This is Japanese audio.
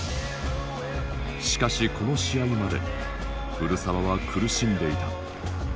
しかしこの試合まで古澤は苦しんでいた。